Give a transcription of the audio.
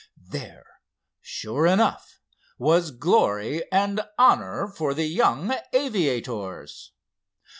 There, sure enough, was glory and honor for the young aviators.